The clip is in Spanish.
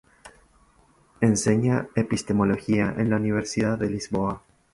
Enseña epistemología en la Universidad de Lisboa.